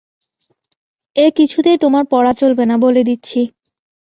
এ কিছুতেই তোমার পরা চলবে না, বলে দিচ্ছি।